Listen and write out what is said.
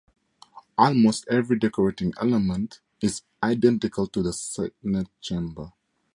Almost every decorating element is identical to the Senate Chamber.